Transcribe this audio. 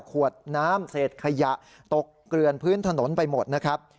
ขวดน้ำเศษขยะตกเกลือนพื้นถนนไปหมดนะครับ